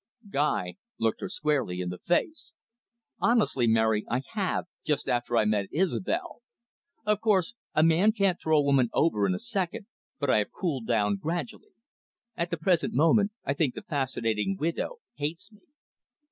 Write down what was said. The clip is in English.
Guy looked her squarely in the face. "Honestly, Mary, I have, just after I met Isobel. Of course, a man can't throw a woman over in a second, but I have cooled down gradually. At the present moment, I think the fascinating widow hates me."